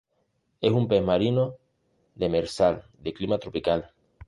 Es un pez marino demersal de clima tropical.